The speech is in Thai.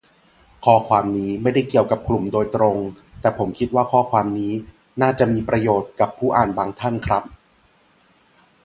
ข้อความนี้ไม่ได้เกี่ยวกับกลุ่มโดยตรง แต่ผมคิดว่าข้อความนี้น่าจะมีประโยชน์กับผู้อ่านบางท่านครับ